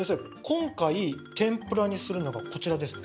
今回天ぷらにするのがこちらですね。